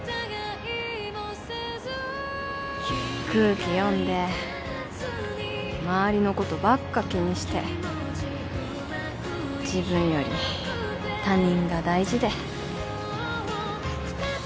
空気読んで周りのことばっか気にして自分より他人が大事で。